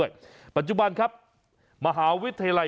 ยืนยันว่าม่อข้าวมาแกงลิงทั้งสองชนิด